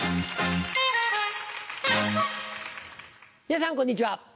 皆さんこんにちは。